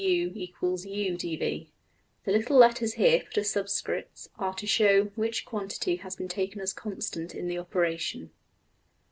\end{DPalign*} The little letters here put as subscripts are to show which quantity has been taken as constant in the operation.